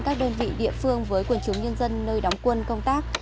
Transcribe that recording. các đơn vị địa phương với quần chúng nhân dân nơi đóng quân công tác